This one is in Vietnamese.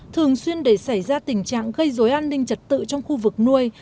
thường xuyên để xảy ra tình trạng gây dối an ninh trật tự trong khu vực nuôi